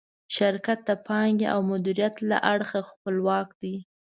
شرکت د پانګې او مدیریت له اړخه خپلواک دی.